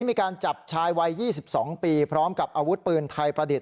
มีการจับชายวัย๒๒ปีพร้อมกับอาวุธปืนไทยประดิษฐ